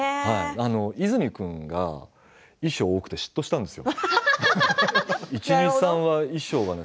泉君が衣装が多くて嫉妬したんですよ。